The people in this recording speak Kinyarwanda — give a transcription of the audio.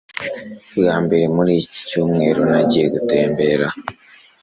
Bwa mbere muri iki cyumweru, nagiye gutembera.